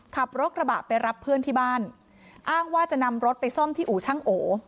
ขับรถกระบะไปรับเพื่อนที่บ้านอ้างว่าจะนำรถไปซ่อมที่อู่ช่างโอ